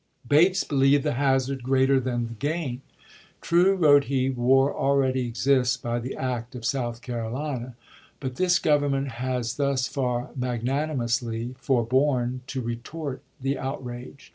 Bates believed the hazard greater than the gain. " True," wrote he, " war already exists by the act of South Carolina — but this Government has thus far magnanimously forborne to retort the outrage.